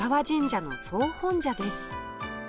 神社の総本社です